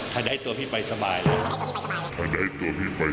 ถ้าได้ตัวพี่ไปสบายแล้ว